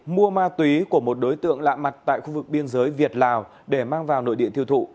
mua ma túy của một đối tượng lạ mặt tại khu vực biên giới việt lào để mang vào nội địa tiêu thụ